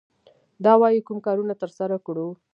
دا وايي کوم کارونه ترسره کړو.